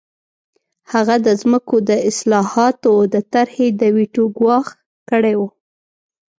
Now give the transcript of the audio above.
هغه د ځمکو د اصلاحاتو د طرحې د ویټو ګواښ کړی و